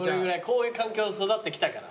こういう環境で育ってきたから。